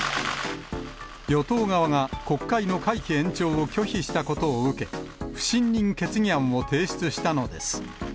与党側が、国会の会期延長を拒否したことを受け、不信任決議案を提出したのです。